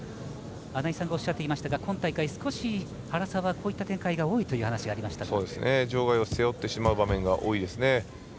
穴井さんがおっしゃっていましたが今大会、少し原沢はこういった展開が多いという場外を背負ってしまう場面が多いですね。